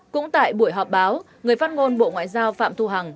cũng tại buổi họp báo người phát ngôn bộ ngoại giao phạm thu hằng